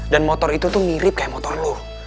dan motor itu tuh mirip kayak motor lo